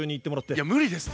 いや無理ですって。